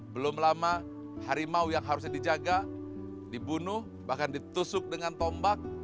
belum lama harimau yang harusnya dijaga dibunuh bahkan ditusuk dengan tombak